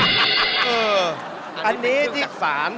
อันนี้เป็นเครื่องศักดิ์สาร